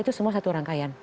itu semua satu rangkaian